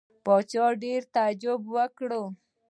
پاچا ډېر تعجب وکړ.